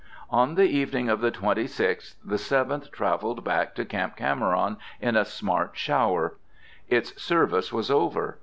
On the evening of the 26th, the Seventh travelled back to Camp Cameron in a smart shower. Its service was over.